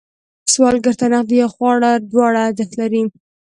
سوالګر ته نغدې یا خواړه دواړه ارزښت لري